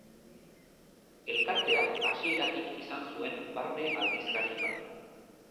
Elkarteak hasieratik izan zuen barne aldizkari bat.